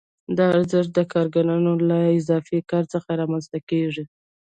دا ارزښت د کارګرانو له اضافي کار څخه رامنځته کېږي